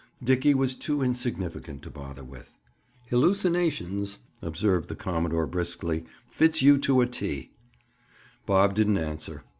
Dickie was too insignificant to bother with. "Hallucinations!" observed the commodore briskly. "Fits you to a T!" Bob didn't answer.